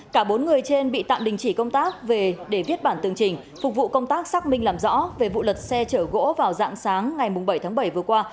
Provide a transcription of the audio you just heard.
cả bốn người trên bị tạm đình chỉ công tác về để viết bản tường trình phục vụ công tác xác minh làm rõ về vụ lật xe chở gỗ vào dạng sáng ngày bảy tháng bảy vừa qua